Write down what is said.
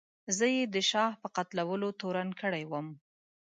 زه یې د شاه په قتلولو تورن کړی وم.